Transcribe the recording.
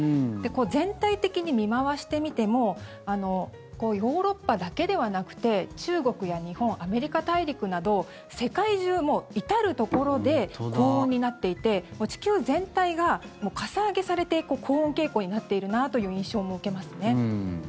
全体的に見回してみてもヨーロッパだけではなくて中国や日本、アメリカ大陸など世界中、もう至るところで高温になっていて地球全体がかさ上げされて高温傾向になっているなという印象も受けますね。